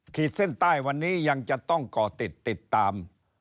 ขีดเส้นใต้วันนี้ยังจะต้องก่อติดติดตาม